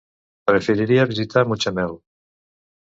Preferiria visitar Mutxamel.